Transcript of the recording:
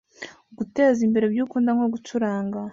Guteza imbere ibyo ukunda nko gucuranga